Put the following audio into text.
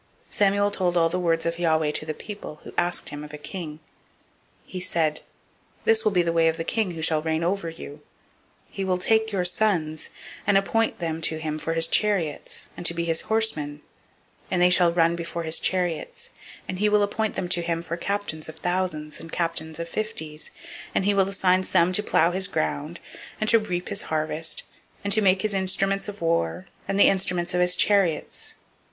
008:010 Samuel told all the words of Yahweh to the people who asked of him a king. 008:011 He said, This will be the manner of the king who shall reign over you: he will take your sons, and appoint them to him, for his chariots, and to be his horsemen; and they shall run before his chariots; 008:012 and he will appoint them to him for captains of thousands, and captains of fifties; and [he will set some] to plow his ground, and to reap his harvest, and to make his instruments of war, and the instruments of his chariots.